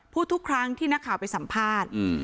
ทุกครั้งที่นักข่าวไปสัมภาษณ์